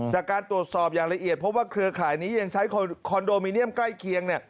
จากการตรวจสอบอย่างละเอียดเพราะว่าเครือข่ายนี้ยังใช้คอนโดมิเนียมใกล้เคียง